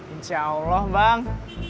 insya allah bang